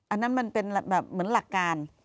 อันนั้นมันเป็นแบบเหมือนหลักการ